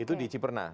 itu di ciperna